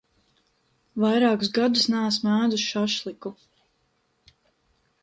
Vairākus gadus neesmu ēdusi šašliku.